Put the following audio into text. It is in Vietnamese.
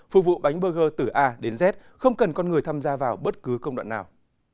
phục vụ bánh burger từ a đến z không cần con người tham gia vào bất cứ công đoạn nào